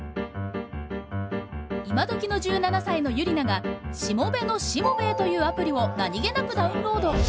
今どきの１７歳のユリナが「しもべのしもべえ」というアプリを何気なくダウンロード。